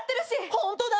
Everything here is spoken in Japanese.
ホントだ！